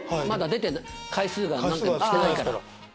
まだ出た回数が少ないから。